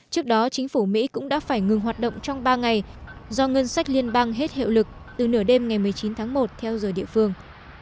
trước đó chính phủ mỹ cũng đã phải ngừng hoạt động trong ba ngày do ngân sách liên bang hết hiệu lực từ nửa đêm ngày một mươi chín tháng một theo giờ địa phương